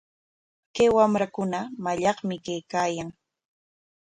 Kay wamrakunaqa mallaqmi kaykaayan.